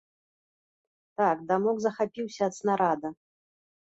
Так, дамок захапіўся ад снарада.